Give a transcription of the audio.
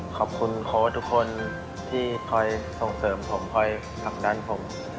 ขอบคุณโค้ดทุกคนที่คอยส่งเสริมผมคอยสั่งด้านผม